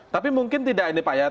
tapi mungkin tidak ini pak ya